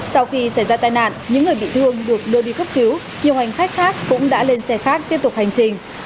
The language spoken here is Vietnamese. sau khi xảy ra tai nạn những người bị thương được đưa đi cấp cứu nhiều hành khách khác cũng đã lên xe khác tiếp tục hành trình